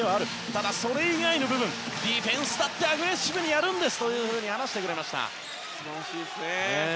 ただ、それ以外の部分ディフェンスだってアグレッシブにやるんですと素晴らしいですね。